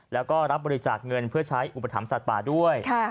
แล้วก็รับบริจาคเงินเพื่อใช้อุปถัมภสัตว์ป่าด้วย